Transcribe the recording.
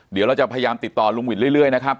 เดี๋ยวเราจะพยายามติดต่อลุงหวิดเรื่อยนะครับ